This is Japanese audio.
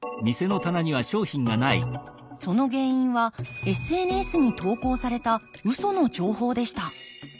その原因はＳＮＳに投稿されたウソの情報でした。